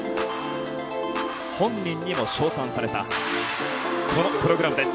本人にも称賛されたこのプログラムです。